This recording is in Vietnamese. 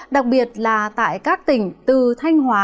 đặc biệt là tại các tỉnh từ thanh hóa